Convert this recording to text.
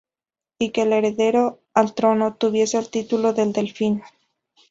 Y que el heredero al trono tuviese el título de delfín.